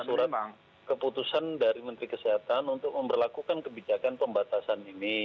setelah mendapatkan surat keputusan dari menteri kesehatan untuk memperlakukan kebijakan pembatasan ini